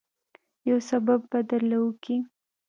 يو سبب به درله وکي.